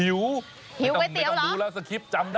หิวก๋วยเตี๋ยวหรอไม่ต้องดูแล้วสคริปจำได้